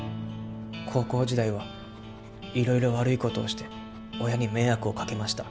高校時代は色々悪いことをして親に迷惑をかけました